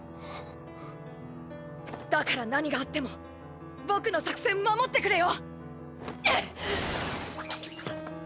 だから何があっても僕の作戦守ってくれよ